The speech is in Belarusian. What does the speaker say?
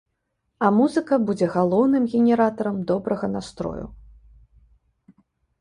А музыка будзе галоўным генератарам добрага настрою.